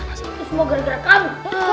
itu semua gara gara kamu